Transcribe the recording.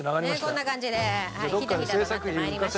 こんな感じでひたひたとなって参りました。